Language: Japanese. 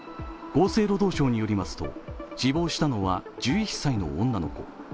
厚生労働省によりますと、死亡したのは１１歳の女の子。